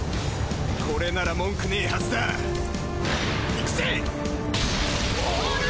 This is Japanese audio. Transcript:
これなら文句ねえはずだ。いくぜ！！